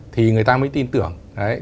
thì người ta mới tin tưởng